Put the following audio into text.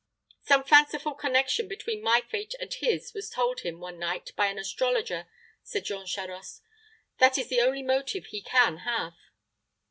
"Some fanciful connection between my fate and his was told him one night by an astrologer," said Jean Charost. "That is the only motive he can have."